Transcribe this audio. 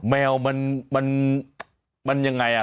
แมวมันมันยังไงอ่ะ